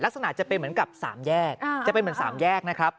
ลักษณะจะเป็นเหมือนกับ๓แยก